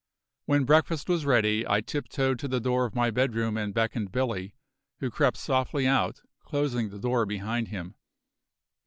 When breakfast was ready I tiptoed to the door of my bedroom and beckoned Billy, who crept softly out, closing the door behind him.